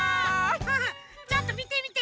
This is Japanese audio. ちょっとみてみて。